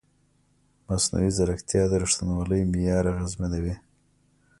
مصنوعي ځیرکتیا د ریښتینولۍ معیار اغېزمنوي.